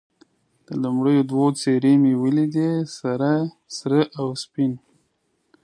د لومړیو دوو څېرې مې یې ولیدې، سره او سپین.